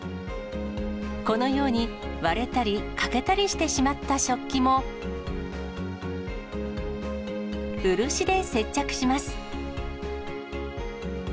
このように、割れたり、欠けたりしてしまった食器も、漆で接着します。